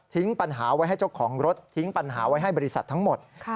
ปัญหาไว้ให้เจ้าของรถทิ้งปัญหาไว้ให้บริษัททั้งหมด